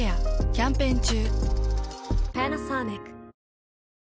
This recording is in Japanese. キャンペーン中。